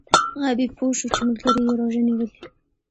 غابي پوه شو چې ملګری یې روژه نیولې ده.